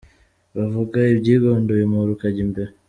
Bavuga ibyigondoye umuhoro ukajya imbere.